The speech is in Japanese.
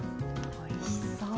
おいしそう！